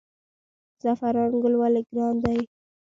زعفران ګل ولې ګران دی؟